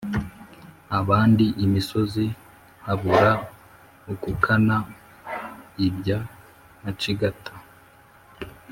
abandi imisozi, habura ukukana ibya macigata;